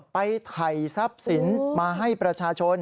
ไถ่ทรัพย์สินมาให้ประชาชน